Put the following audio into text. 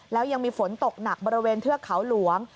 แล้วยังมีฝนตกหนักบริเวณเทือกเขาหลวง